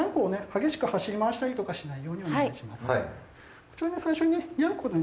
激しく走りまわしたりとかしないようにお願いします。